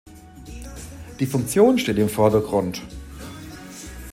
Die Funktion steht im Vordergrund.